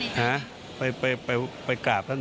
ท่านบุคคลาสมัคร